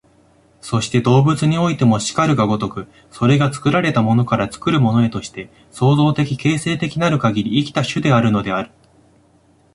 そして動物においても然るが如く、それが作られたものから作るものへとして、創造的形成的なるかぎり生きた種であるのである。